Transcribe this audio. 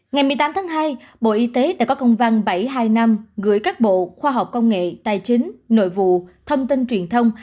ngày một mươi tám tháng hai bộ y tế đã có công văn bảy trăm hai mươi năm gửi các bộ khoa học công nghệ tài chính nội vụ thông tin truyền thông